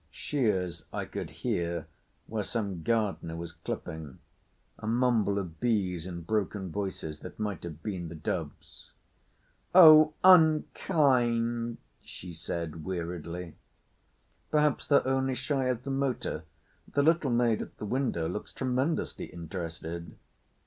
Shears I could hear where some gardener was clipping; a mumble of bees and broken voices that might have been the doves. "Oh, unkind!" she said weariedly. "Perhaps they're only shy of the motor. The little maid at the window looks tremendously interested."